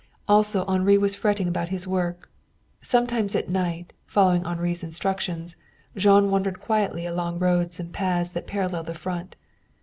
Also Henri was fretting about his work. Sometimes at night, following Henri's instructions, Jean wandered quietly along roads and paths that paralleled the Front.